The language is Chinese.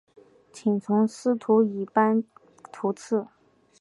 请从司徒以班徙次。